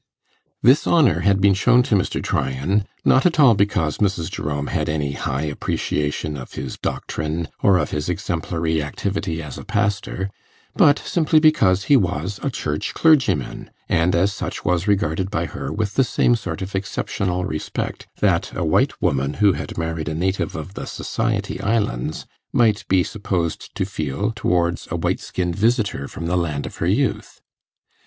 This honour had been shown to Mr. Tryan, not at all because Mrs. Jerome had any high appreciation of his doctrine or of his exemplary activity as a pastor, but simply because he was a 'Church clergyman', and as such was regarded by her with the same sort of exceptional respect that a white woman who had married a native of the Society Islands might be supposed to feel towards a white skinned visitor from the land of her youth.